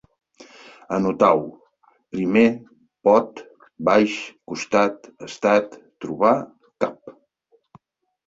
Anotau: primer, pot, baix, costat, estat, trobar, cap